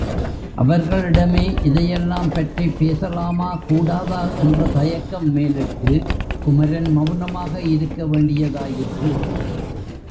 அவர்களிடமே இதையெல்லாம் பற்றிப் பேசலாமா கூடாதா என்ற தயக்கம் மேலிட்டு குமரன் மெளனமாக இருக்க வேண்டியதாயிற்று.